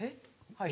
はい。